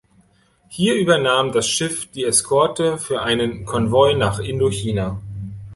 Hier übernahm das Schiff die Eskorte für einen Konvoi nach Indochina.